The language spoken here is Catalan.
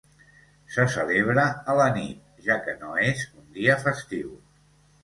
Se celebra a la nit, ja que no és un dia festiu.